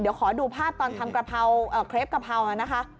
เดี๋ยวขอดูภาพตอนทำกะเพราเครปกะเพรานะคะ